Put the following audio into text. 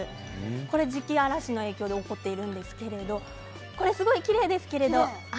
磁気嵐の影響で起こっているんですけれどすごくきれいですけど。